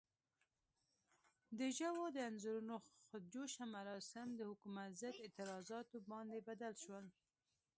د ژو د انځورونو خود جوشه مراسم د حکومت ضد اعتراضاتو باندې بدل شول.